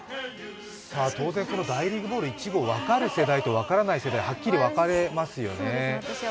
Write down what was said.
当然、大リーグボール１号分かる世代と分からない世代はっきり分かれますよね。